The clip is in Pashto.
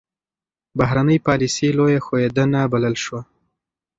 بهرنۍ پالیسي لویه ښوېېدنه بلل شوه.